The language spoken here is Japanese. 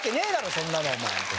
そんなもんお前。